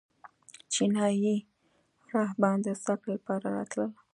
چینایي راهبان د زده کړې لپاره راتلل